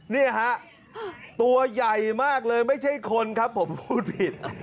นี่ฮะตัวใหญ่มากเลยไม่ใช่คนครับผมพูดผิด